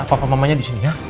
papa mamanya disini ya